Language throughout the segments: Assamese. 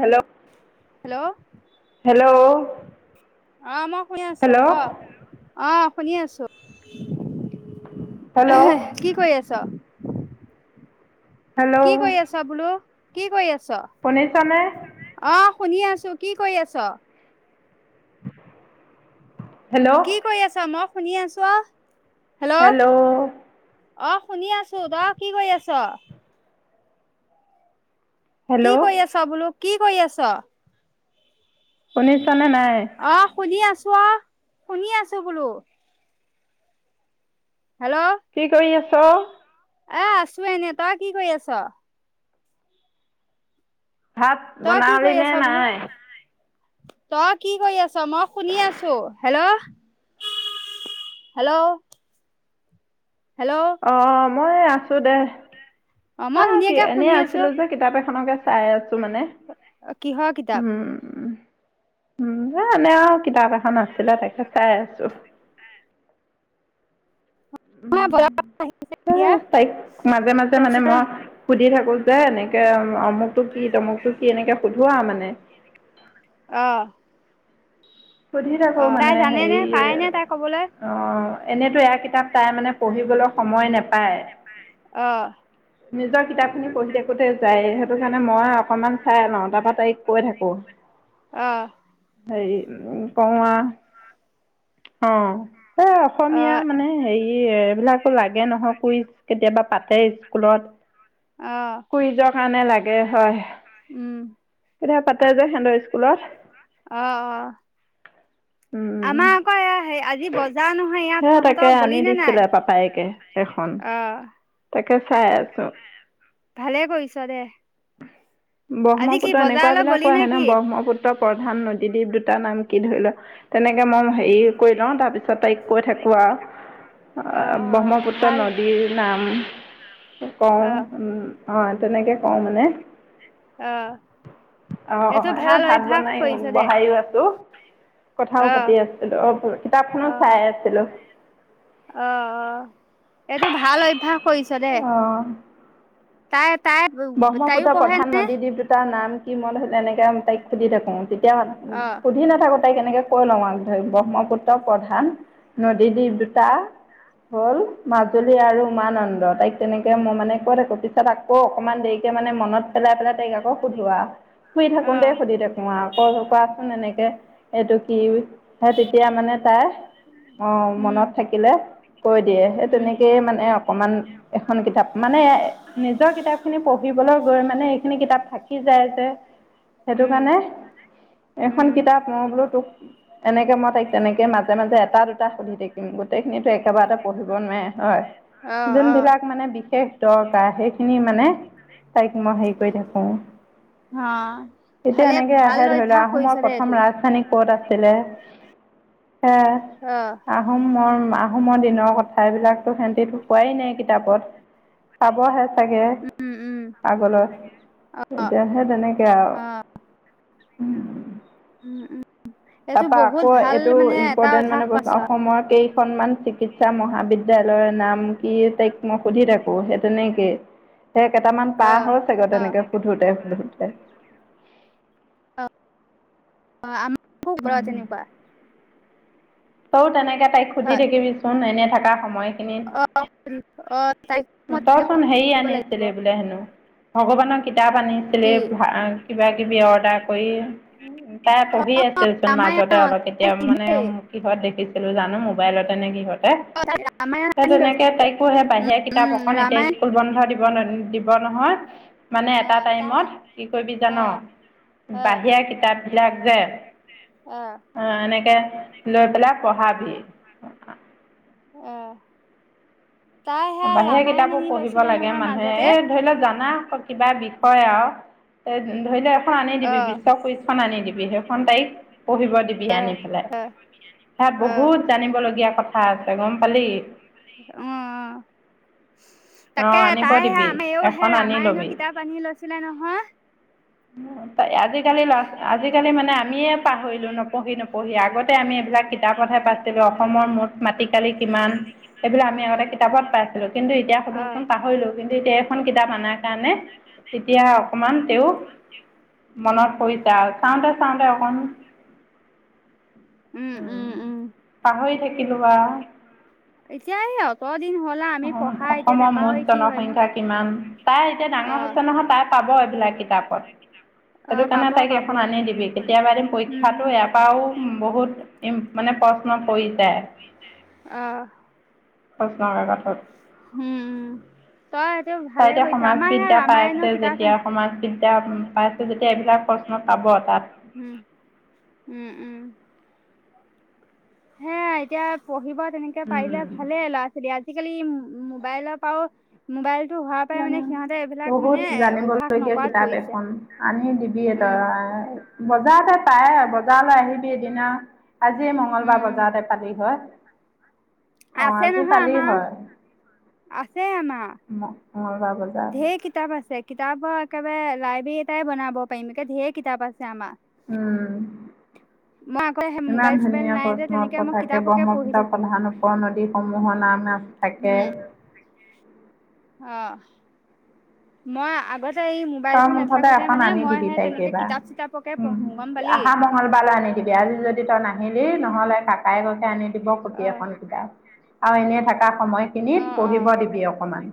হেল্লো হেল্ল' হেল্ল' অ মই শুনি আছো ক হেল্ল' অ। শুনি আছো, হেল্ল' কি কৰি আছ? হেল্ল' কি কৰি আছা বোলো, কি কৰি আছা? শুনিছ নে? শুনি আছো কি কৰি আছ? হেল্ল' কি কৰি আছ মই শুনি আছো অ। হেল্ল'। অ শুনি আছো ত কি কৰি আছ। কি হেল্ল' কৰি আছ বোলো কি কৰি আছ? শুনিছ নে নাই? অ শুনি আছো অ শুনি আছো বোলো। হেল্ল' কি কৰি আছ এ আছো এনে তই কি কৰি আছ ভাত তই কি বনালি কৰি নে আছ বোলো নাই তই কি কৰি আছ মই শুনি আছো হেল্ল' হেল্ল' হেল্ল' অ মই আছো দে মই অ' কি ধুনীয়াকে এনে শুনি আছো আছিলো যে কিতাপ এখনকে চাই আছো মানে কিহৰ কিতাপ উম উম এনেই আৰু কিতাপ এখন আছিলে তাকে চাই আছো [inaudible] মই উম বজাব এ এতিয়া তাইক মাজে মাজে মানে তাৰপিছতে মই সুধি থাকো যে এনেকে অমুকটো কি তমুকটো কি এনেকে সোধো আউ মানে অ' সুধি থাকো অ তাই মানে জানে হেৰি নে পাৰে নে তাই কবলৈ অ' এনেইতো এয়া কিতাপ তাই মানে পঢ়িবলৈ সময় নাপায় অ' নিজৰ কিতাপ খিনি পঢ়ি থাকোতে যাই সেইটো কাৰণে মই অকনমান চাই লওঁ তাৰপৰা তাইক কৈ থাকো আহ [unintelligible] এ অ অসমীয়া মানে হেৰি এ এই বিলাকো লাগে নহয় কুই কেতিয়াবা পাতে স্কুলত আহ কুইজৰ কাৰণে লাগে হয় উম এতিয়া পাতে যে সিহঁতৰ স্কুলত অ অ উম, আমাৰ আকৌ আজি বজাৰ নহয় ইয়াত সেয়া তাকে তহঁতক আনি গলি নে দিছিলে নাই পাপায়েকে অ কে চাই আছো ভালে কৰিছ দে আজি কি ব্ৰহ্মপুত্ৰ এনেকুৱা বজাৰলৈ গলি বিলাকো নে আহে ন কি ব্ৰহ্মপুত্ৰ প্ৰধান নদীদ্বীপ দুটা নাম কি ধৰি লোৱা তেনেকে মই হেৰি কৰি লওঁ তাৰ পিছত তাইক কৈ থাকো অ আৰু অ ব্ৰহ্মপুত্ৰ ভাল নদীৰ নাম কওঁ অ ওম অ তেনেকৈ কওঁ মানে অ আহ এইটো এ ভাল ভাত অভ্যাস বনাই কৰিছ দে বহাইও আছো কথাও অ পাতি আছিলো অ কিতাপখনো অ চাই আছিলো অ এইটো ভাল অভ্যয়াস অ' তাই তাই তাইও ব্ৰহ্মপুত্ৰ পঢ়ে প্ৰধান নে নদীদ্বীপ দুটাৰ নাম সি ম‌ই ধৰিলোঁ এনেকে মই তাইক সুধি থাকোঁ। তেতিয়া অ সুধি নাথাকোঁ। তাই এনেকে কৈ লওঁ আগধৰি ব্ৰহ্মপুত্ৰ প্ৰধান নদী দ্বীপ দুটা হ'ল মাজুলী আৰু উমানন্দ তাইক তেনেকে মই মানে কৈ থাকোঁ। পিছত আকৌ অকমান দেৰিকে মানে মনত পেলাই পেলাই তাইক আকৌ সুধো আহ শুই থাকোঁতে অ', সুধি থাকোঁ আহ আৰু আকৌ কোৱাচোন এনেকে এইটো কি তেতিয়া মানে তাই অ' মনত উম, থাকিলে। কৈ দিয়ে। সেই উম, তেনেকেইে মানে অকণমান এখন কিতাপ মানে নিজৰ কিতাপ খিনি পঢ়িবলৈ গৈ মানে এইখিনি কিতাপ থাকি যায় যে সেইটো উম, কাৰণে এখন উম, কিতাপ মই বোলোঁ তোক এনেকে মই তাইক তেনেকৈ মাজে মাজে এটা দুটা সুধি থাকিম। গোটেইখিনিতো একেবাৰতে পঢ়িব নোৱাৰে। হয়, অ', যোন অ', বিলাক মানে বিশেষ দৰকাৰ সেইখিনি মানে তাইক মই হেৰি কৰি থাকো অ'। এতিয়া ভালে এনেকে ভাল আহে ধৰি লোৱা অভ্যাস আহোমৰ কৰিছ দে প্ৰথম এইটো ৰাজধানী ক'ত আছিলে এ অ', আহোমৰ আহোমৰ দিনৰ কথাবিলাকতো সিহঁতেটো পোৱাই নাই কিতাপত পাবহে, চাগে উম, উম, আগলৈ এতিয়া সে তেনেকে আৰু উম। [inaudible] [unintelligible] এইটো তাৰপা বহুত আকৌ ভাল এইটো মানে এটা ইম্পৰ্টেণ্ট মানে অভ্যাস বস্তু কৰিছ অসমৰ কেইখনমান চিকিৎসা মহাবিদ্ বিদ্যালয়ৰ নাম কি তাইক মই সুধি থাকো সেই তেনেকে সেই কেইটামান পাৰ অ', হ'ল চাগে তেনেকে সুধোতে সুধোতে- [inaudible] অ আমাৰ [unintelligible] তেনেকুৱা। ত‌ইও তেনেকে, তাইক সুধি হয় থাকিবিচোন এনে থকা সময়খিনিত অ', অ', তাইক মই তইচোন হেৰি, দিব লাগিব আনিছিলি বোলে হেনো ভগৱানক, কিতাপ আনিছিলি কি কিবা কিবি অৰ্ডাৰ কৰি। তাই পঢ়ি আছিলচোন ৰামায়ণ মাজতে অলপ এতিয়া মানে। আনিলেই। দেখিছিলো জানো মোবাইলতে নে কিহত, অ তাই ৰামায়ণ তাই আনি লৈছো তেনেকে তাইকো সেই বাহিৰে কিতাপ উম, অকণ এতিয়া ৰামায়ণ স্কুল বন্ধ দিব। বন্ধ দিব নহয় মানে এটা অ', তাই টাইমত কি কৰিবি জান। অ', অ', বাহিৰা কিতাপ বিলাক যে অ', আহ এনেকে। লৈ পেলাই পঢ়াবি। অহ, বাহিৰা কিতাপো পঢ়িব লাগে নহয় মানুহে মাজতে এই ধৰি লওক জানা। কিবা বিষয় আৰু এ ধৰি লও এখন আনি দিবি অ'। বিশ্ব কুইচখন আনি দিবি। [unintelligible] তাইক পঢ়িব দিবি আনি পেলাই। তাত বহুত জানিবলগীয়া কথা আছে গম পালি। অ', অঁ তাকে আনিব তায়ো সেই দিবি আমিও এখন সে‌ আনি ৰামায়ণৰ ল'বি কিতাপ আনি লৈছিলে নহয়। আজিকালি ল'ৰা আজিকালি মানে আমিয়ে পাহৰিলোঁ নপঢ়ি নপঢ়ি আগতে আমি এইবিলাক কিতাপতহে পাইছিলো অসমৰ মুঠ মাট কালি কিমান? এইবিলাক আমি উম, আগতে কিতাপত পাইছিলো কিন্তু এতিয়া অ', সুধকচোন পাহৰিলো কিন্তু এতিয়া এইখন কিতাপ অনাৰ কাৰণে। তেতিয়া উম, অকমান তেওঁ, উম। মনত পৰিছে আওঁ চাওঁতে চাওঁতে অকণ, উম উম উম। [unintelligible] এতিয়া এই অটত, অ অসমৰ মুঠ হয়নো। জনসংখ্যা কিমান তাই এতিয়া ডাঙৰ অ', হৈছে নহয় তাই পাব। কিতাপত সেইটো অ', কাৰণে পাব তাইক পাব এখন আনি দিবি কেতিয়াবা এদম উম, পৰীক্ষাতটো উম, ইয়াৰ পৰাও বহুত। মানে প্ৰশ্ন পৰি যায় প্ৰশ্ন কাকত। হোম তই তাই ভালে এতিয়া কৰিছ সমাজ আমাৰ সেই বিদ্যা পাই আছে, ৰামায়ণৰ কিতাপ যেতিয়া আনি সমাজ বিদ্যা। এতিয়া উ পাইছো যেতিয়া এইবিলাক প্ৰশ্ন পাব তাত। উম- উম -উম হে এতিয়া পঢ়িব তেনেকে পাৰিলে ভালে ল'ৰা ছোৱালী আজিকালি। মোবাইলৰ পাও মোবাইল। মানে বহুত অভ্যাস জানিবলগীয়া নকৰাত কিতাপ পৰিছে। এখন আনি দিবি উম, তৰা। বজাৰতে পায় বজাৰলৈ আহিবি এদিন আও। আজিয উম, মঙলবাৰ উম, বজাৰতে পালি হয়। অ আছে আজি নহয় পালি আমাৰ হয় আছে আমাৰ। মঙলবাৰ বজাৰ ধেৰ কিতাপ আছে। কিতাপ একেবাৰে লাইব্ৰেৰী এটাই বনাব পাৰিমে ধেৰ কিতাপ আছে আমাৰ। উম। মই আকৌ সেই মোবাইল ইমান চোবাইল ধুনীয়া নাই যে প্ৰশ্ন তেনেকে মই থাকে কিতাপকে পঢ়ি ব্ৰহ্মপুত্ৰৰ থাকো প্ৰধান ওপৰ নদীসমূহৰ নাম থাকে উম অ মই আগতে। এই তই মোবাইলতটো মুঠতে নাথাকোতে এখন মানে আনি মই দিবি সে তাইক তেনেকে এইবাৰ কিতাপ চিতাপকে পঢ়ো গম পালি। বিয়া লে যদি তই নাহিলি নহলে কাকাই গৈ আনি দিব খুট অ', এখন কিতাপ আৰু এনে থকা সময়খিনিত অ', পঢ়িব অ', দিবি অকমান।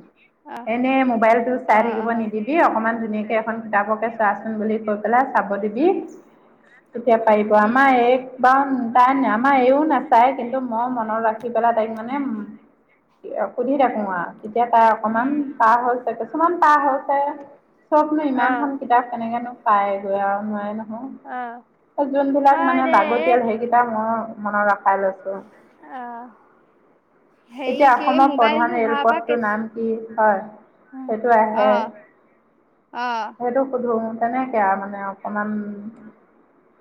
অ', এনে মোবাইলতটো চাই অ', থাকিব অ', নিদিবি অকনমান ধুনীয়াকে এখন কিতাপকে চোৱাচোন বুলি কৈ পেলাই চাব দিবি। তেতিয়া পাৰিব উম, আমাৰ এক বা তাই আমাৰ এইও নাচায় কিন্তু মই মনত ৰাখি পেলাই তাইক মানে সুধি থাকো আৰু তেতিয়া তাই অকমান উম, পাৰ হৈছে কিছুমান পাৰ হৈছে। নো অ', ইমানখনন কিতাপ তেনেকেনো পায়গৈ আৰু নোৱ অ', ন। যোনবিলাক হয় মানে দে এই লাগতিয়াল সেইকেইটা মোৰ মনত ৰাখ খাইছো। অ', হেৰি এতিয়া কি অসমৰ মোবাইলটো প্ৰধান হোৱাৰ পৰা ৰেলপথটোৰ কেছ নাম কি হয়? সেইটো আহে। অঁ। ধো তেনেকে আৰু মানে অকমান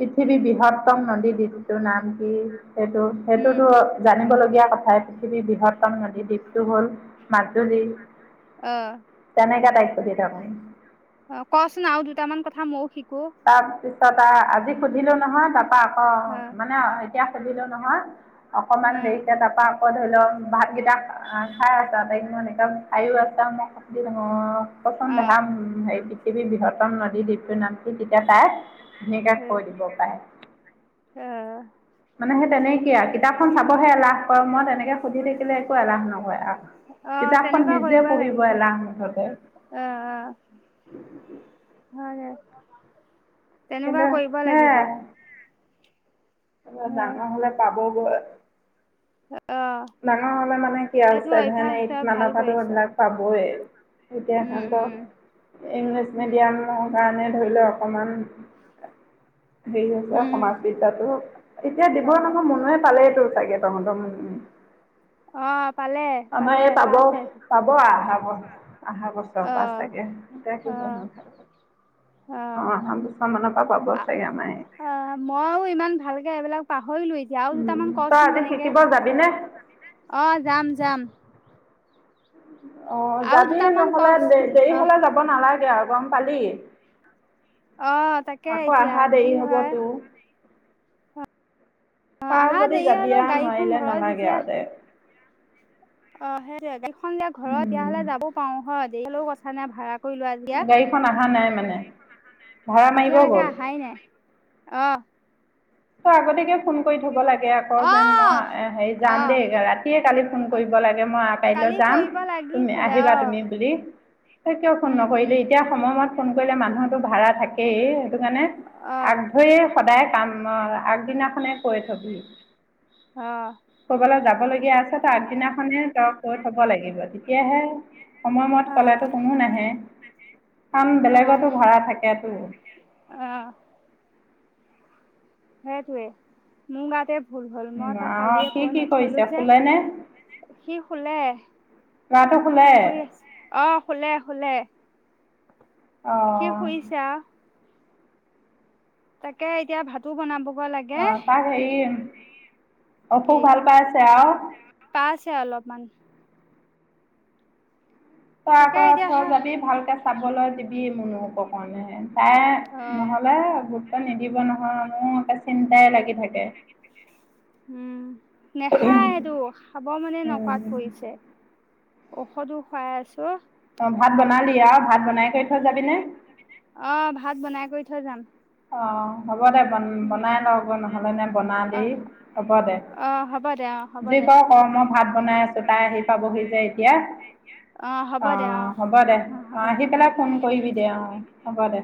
পৃথিৱী বৃহত্তম নদী দ্বীপটোৰ নাম কি সেইটো উম সেইটোতো জানিব লাগ লগীয়া কথাই পৃথিৱী বৃহত্তন নদী দ্বীপটো হ'ল মাজুলী। আহ। এনেকা তাই সুধি থাকোঁ। অ কচোন আৰু দুটামান কথা মইও শিকো। ত আজি সুধিলো নহয় তাৰপা আকৌ অ মানে এতিয়া সুধিলো নহয়। অকমান উম দেৰিকে তাৰাপা- আকৌ ধৰি লও ভাতকেইটা খাই আছা তাইকমান একম খাইয়ো আছা মই ডাঙৰ ক চোন অ দেহা ওম পৃথিৱীৰ বৃহত্তম নদী দ্বীপটোৰ নাম কি তেতিয়া তাই ধুনিকে কৈ দিব পাৰে। আহ। মানে সেই তেনে কিে আৰু কিতাপখন চাবহে এলাহ কৰ মই তেনেকে সুধি থাকিলে একো এলাহ নকৰে আৰু। অ কিতাপখন তেনেকুৱা নিজে কৰিব পঢ়িব লাগিব অ এলাহ মুঠতে। অ হয় তেনেকুৱা কিন্তু কৰিব লাগিব। আ অ ডাঙৰ হলে পাবগৈ। ডাঙৰ হলে মানে কি আৰু এইটো ছেভেন অভ্যাস তই এইট ভাল মানৰ পৰা কৰিছ সেইবিলাক পাবই। এতিয়া উম সিহঁতক উম ইংলিছ উম মিডিয়ামৰ কাৰণে ধৰি লও অকমান হেৰি হৈছে উম সমাজ বিদ্যাতো এতিয়া দিব অ মনোৱে পালেটো। চাগে তহত ম উ অ পালে আমাৰ পালে এই পাব পাইছে পাব আহ অহা বছৰ অ বা চাগে এতিয়া কি অ হ'? অ অহ সাত বছৰমানানৰ পৰা পাব চাগে আমাৰ এই। হৈলো এতিয়া আৰু দুটামান তই কচোন আজি তেনেকে শিকিব যাবিনে অ যাম যাম। অ আৰু যাবি দুটামান নহলে কচ দে-দেৰি অ হলে যাব নালাগে আৰু গম পালি। অ তাকে আকৌ এতিয়া আহা কি দেৰি হয় হবতো। অ পাৰ আহা যদি দেৰি যাবিয়া হলেও গাড়ীখন নোৱাৰিলে ঘৰত নালাগে যেতিয়া আৰু দে। অ সেই গাড়ীখন ঘৰত উম, তেয়াহ'লে যাবও পাৰো হয় দেৰি হলেও কথা নাই ভাড়া কৰি লোৱা যেতিয়া গাড়ীখন অহা নাই মানে? ভাড়া মাৰিব এতিয়ালৈকে গ'ল আহাই নাই অ' তই আগতিয়াকে ফোন কৰি থব লাগে আকৌ অ যেন মই হেৰি যাম অ দেই ৰাতিয়ে কালি ফোন কৰিব লাগে মই কাইলৈ কালি যাম কৰিব তুমি লাগিছিলে আহিবা অ তুমি বুলি তই কিয় ফোন উম উম নকৰিলি এতিয়া সময়মত ফোন কৰিলে মানুহতো ভাড়া থাকেই সেইটো কাৰণে অ আগ ধৰিয়ে সদায় আমাৰ আগদিনাখনে কৈ থবি। অ' ক'ৰবালৈ যাবলগীয়া আছে ত আগদিনাখনে তই কৈ থব লাগিব তেতিয়াহে সময়মত অ কলেটো কোনো নাহে। কান অ বেলেগতো ভাড়া থাকেতো। অ সেইটোৱে মুগাতে ভুল হল মই তাক অঁ কালিয় সি কৈ কি নথলো কৰিছে যে শুলেনে সি শুলে। ল'ৰাটো শুলে শুই আছ অ শুলে শুলে। সি অঁ শুইছাআউ। তাকে এতিয়া ভাতো বনাব অ তাক হেৰি কি অশোক ভাল পাই আছে আৰু পাইছে অলপমান। তই তাকে আকৌ এতিয়া থ সে যাবি ভালকে চাবলৈ দিবি মুনোক কাৰণে। তাই অ নহ'লে গুৰুত্ব নিদিব নহয় মোৰ এটা চিন্তাই লাগি থাকে। উম নেখায়টো খাব মানে উম, নকোৱাত পৰিছে। ঔষধো খুৱাই আছো। অ ভাত বনালি আৰু ভাত বনাই কৰি থৈ যাবিনে অ ভাত বনাই কৰি থৈ যাম। অঁ হ'ব দে বনাই লওঁ নহ'লেনে বনা অ দেই হ'ব দে। অ হ'ব দে অ হ'ব যি দে। কৰ কৰ মই ভাত বনাই আছো তাই আহি পাবহি যে এতিয়া। অ হ'ব দে অ হ'ব অহ দে আহি অ পেলাই ফোন কৰিবি দে অ। হব দে।